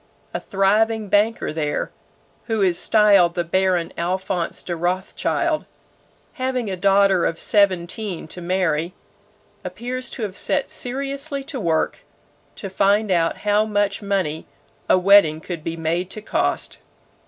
A thriving banker there, who is styled the Baron Alphonse de Rothschild, having a daughter of seventeen to marry, appears to have set seriously to work to find out how much money a wedding could be made to cost.